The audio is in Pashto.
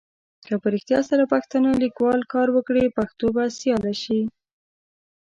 که په رېښتیا سره پښتانه لیکوال کار وکړي پښتو به سیاله سي.